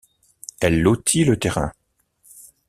Elle lotit le terrain.